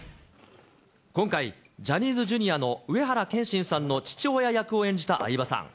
今回、ジャニーズＪｒ．の上原剣心さんの父親役を演じた相葉さん。